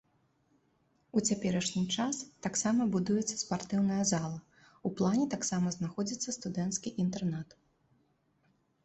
У цяперашні час таксама будуецца спартыўная зала, у плане таксама знаходзіцца студэнцкі інтэрнат.